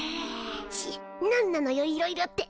チッなんなのよいろいろって。